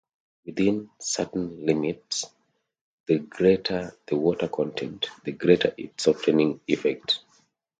Within certain limits, the greater the water content, the greater its softening effect.